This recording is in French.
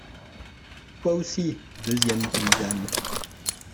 Toi aussi. deuxième paysanne.